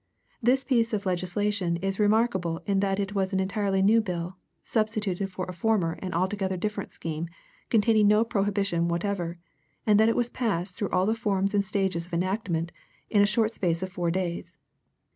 This piece of legislation is remarkable in that it was an entirely new bill, substituted for a former and altogether different scheme containing no prohibition whatever, and that it was passed through all the forms and stages of enactment in the short space of four days.